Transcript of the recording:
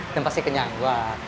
dan pasti kenyang